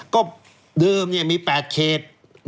ก็เดิมเนี่ยมี๘เขต